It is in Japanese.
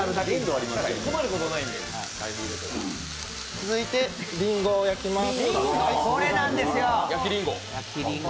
続いてりんごを焼きます。